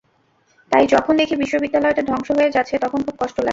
তাই যখন দেখি, বিশ্ববিদ্যালয়টা ধ্বংস হয়ে যাচ্ছে, তখন খুব কষ্ট লাগে।